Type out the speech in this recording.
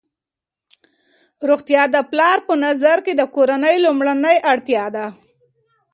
روغتیا د پلار په نظر کې د کورنۍ لومړنۍ اړتیا ده.